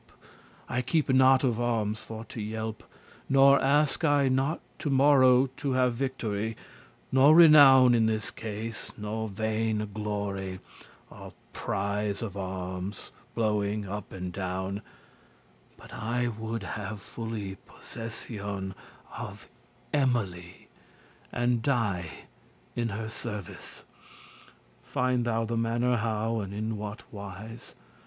*vow, promise I keepe not of armes for to yelp,* *boast Nor ask I not to morrow to have victory, Nor renown in this case, nor vaine glory Of *prize of armes*, blowing up and down, *praise for valour* But I would have fully possessioun Of Emily, and die in her service; Find thou the manner how, and in what wise.